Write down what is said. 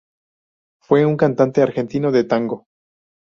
Fue un cantante argentino de tango.